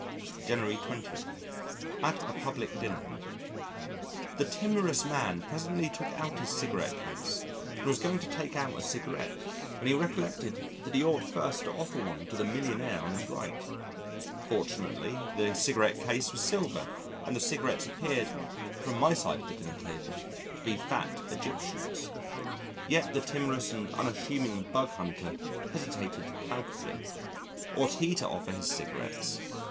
January 20. At a Public Dinner ... The timorous man presently took out his cigarette case and was going to take out a cigarette, when he recollected that he ought first to offer one to the millionaire on his right. Fortunately the cigarette case was silver and the cigarettes appeared from my side of the dinner table to be fat Egyptians. Yet the timorous and unassuming bug hunter hesitated palpably. Ought he to offer his cigarettes?